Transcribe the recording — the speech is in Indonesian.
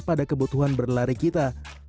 pada kebutuhan berlari kita